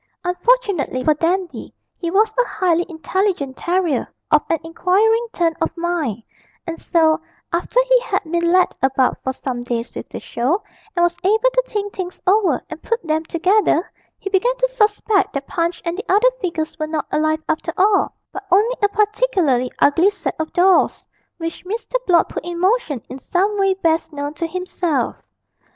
Unfortunately for Dandy, he was a highly intelligent terrier, of an inquiring turn of mind, and so, after he had been led about for some days with the show, and was able to think things over and put them together, he began to suspect that Punch and the other figures were not alive after all, but only a particularly ugly set of dolls, which Mr. Blott put in motion in some way best known to himself.